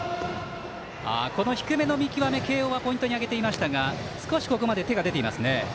低めの見極め慶応はポイントに挙げていましたが少しここまで手が出ていますね。